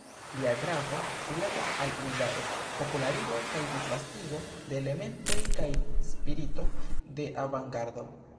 Lia gravo rilatas al uzado, popularigo kaj disvastigo de elementoj kaj spirito de avangardo.